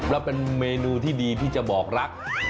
แล้วเป็นเมนูที่ดีที่จะบอกรัก